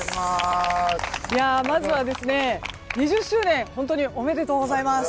まずは２０周年本当におめでとうございます。